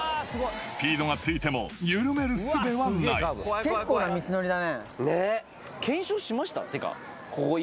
スピードがついても緩めるすべはないね！